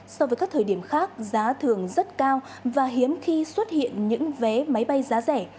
so với các thời điểm khác giá thường rất cao và hiếm khi xuất hiện những vé máy bay giá rẻ